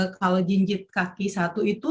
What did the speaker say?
kalau jinjit kaki satu itu